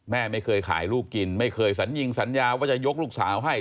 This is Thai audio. แม่ไม่เคยขายลูกกินไม่เคยสัญญิงสัญญาว่าจะยกลูกสาวให้